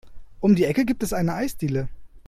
Um die Ecke gibt es eine Eisdiele.